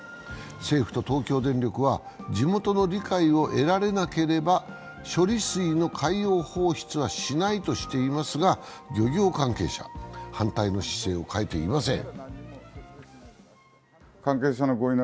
政府と東京電力は地元の理解を得られなければ処理水の海洋放出はしないとしていますが漁業関係者、反対の姿勢を変えていません。